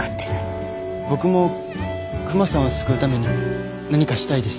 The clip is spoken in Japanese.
僕もクマさんを救うために何かしたいです。